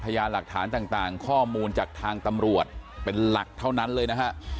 พยายามหลักฐานต่างข้อมูลจากทางตำรวจเป็นหลักเท่านั้นเลยนะฮะ